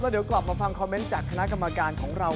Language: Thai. แล้วเดี๋ยวกลับมาฟังคอมเม้นท์จากคณะคำมาการของเรา